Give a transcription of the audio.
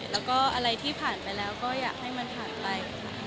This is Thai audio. แล้วก็อะไรที่ผ่านไปแล้วก็อยากให้มันผ่านไปค่ะ